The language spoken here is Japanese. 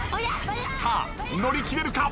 さあ乗り切れるか？